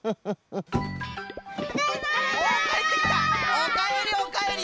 おかえりおかえり！